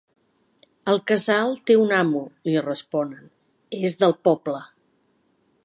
El casal té un amo…’ Li responen: ‘És del poble’.